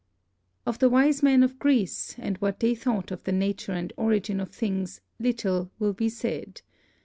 Of the wise men of Greece and what they thought of the nature and origin of things little will be said.